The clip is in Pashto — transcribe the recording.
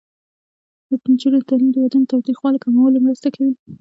د نجونو تعلیم د ودونو تاوتریخوالي کمولو مرسته کوي.